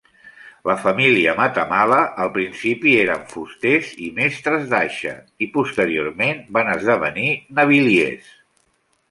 La família Matamala, al principi eren fusters i mestres d’aixa i posteriorment van esdevenir naviliers.